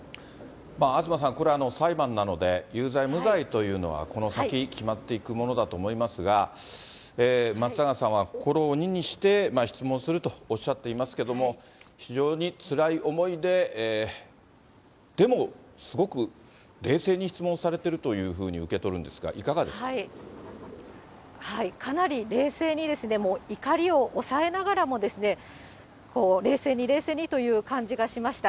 東さん、これ、裁判なので、有罪、無罪というのはこの先、決まっていくものだと思いますが、松永さんは心を鬼にして質問するとおっしゃっていますけれども、非常につらい思いで、でもすごく冷静に質問されてるというふうに受け取るんですが、いかなり冷静に、もう怒りを抑えながらもですね、冷静に冷静にという感じがしました。